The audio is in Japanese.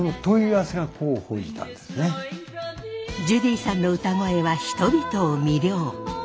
ジュディさんの歌声は人々を魅了。